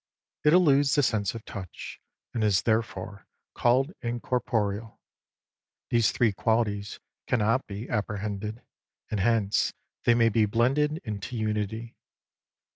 It eludes the sense of touch, and is therefore called incorporeal. These three qualities cannot be apprehended, and hence they may be blended into unity.